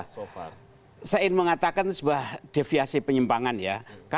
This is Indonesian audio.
saya ingin mengatakan itu sebuah deviasi penyimpangan ya